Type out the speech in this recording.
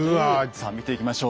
さあ見ていきましょう。